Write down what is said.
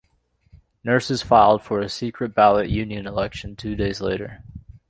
Nurses filed for a secret-ballot union election two days later.